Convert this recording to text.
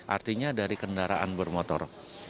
artinya dari kendaraan bermotor